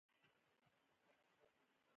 دا یوازې په اوږده متن کې لیندیو دي.